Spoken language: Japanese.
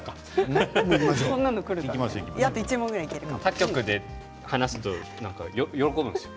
他局で話すと喜ぶんですよ。